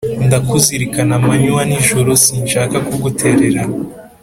Ndakuzirikana amanywa n’ijoro, Sinshaka kugutererana